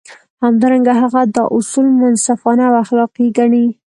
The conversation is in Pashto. همدارنګه هغه دا اصول منصفانه او اخلاقي ګڼي.